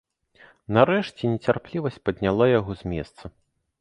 Нарэшце нецярплівасць падняла яго з месца.